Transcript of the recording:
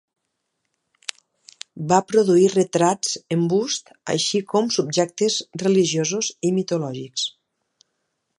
Va produir retrats en bust així com subjectes religiosos i mitològics.